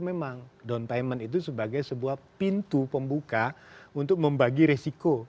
memang down payment itu sebagai sebuah pintu pembuka untuk membagi resiko